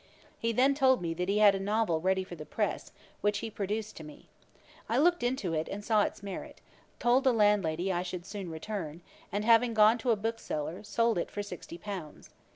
He then told me that he had a novel ready for the press, which he produced to me. I looked into it, and saw its merit; told the landlady I should soon return, and having gone to a bookseller, sold it for sixty pounds.